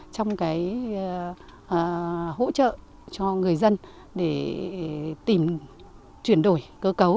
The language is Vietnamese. trong cái hỗ trợ cho người dân để tìm chuyển đổi cơ cấu